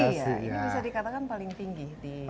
ini bisa dikatakan paling tinggi